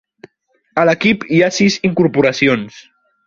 A l'equip hi ha sis incorporacions.